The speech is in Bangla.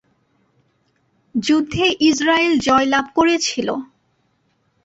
যুদ্ধে ইসরায়েল জয়লাভ করেছিলো।